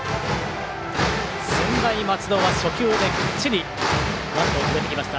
専大松戸は初球できっちりバントを決めてきました。